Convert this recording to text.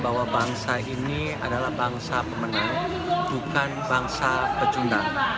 bahwa bangsa ini adalah bangsa pemenang bukan bangsa pecundang